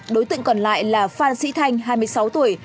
đối tượng còn lại là phan sĩ thanh hai mươi sáu tuổi